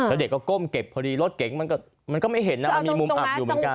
แล้วเด็กก็ก้มเก็บพอดีรถเก๋งมันก็ไม่เห็นมันมีมุมอับอยู่เหมือนกัน